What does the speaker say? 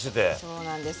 そうなんです。